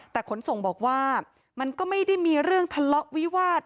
แต่ขนส่งบอกว่ามันก็ไม่ได้มีเรื่องทะเลาะวิวาส